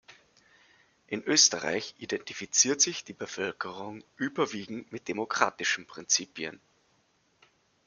In Österreich identifiziert sich die Bevölkerung überwiegend mit demokratischen Prinzipien.